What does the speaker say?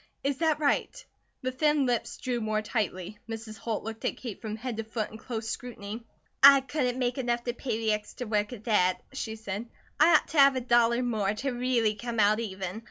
Is that right?" The thin lips drew more tightly. Mrs. Holt looked at Kate from head to foot in close scrutiny. "I couldn't make enough to pay the extra work at that," she said. "I ought to have a dollar more, to really come out even.